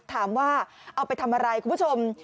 ถามว่าเอาไปทำอะไรคุณผู้ชม